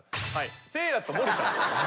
せいやと森田。